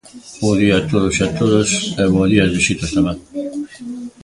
Bo día a todos e a todas e bo día ás visitas tamén.